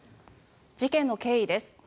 事件の経緯です。